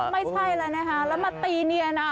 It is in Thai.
ไม่ใช่แล้วนะคะแล้วมาตีเนียนะ